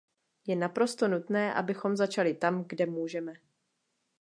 Je naprosto nutné, abychom začali tam, kde můžeme.